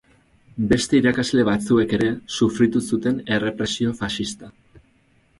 Beste irakasle batzuek ere sufritu zuten errepresio faxista.